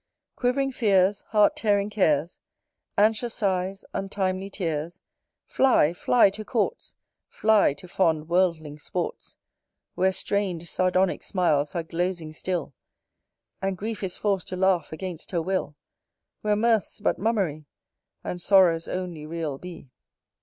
Quivering fears, heart tearing cares, Anxious sighs, untimely tears, Fly, fly to courts, Fly to fond worldlings' sports, Where strain'd sardonic smiles are glosing still, And Grief is forc'd to laugh against her will: Where mirth's but mummery, And sorrows only real be.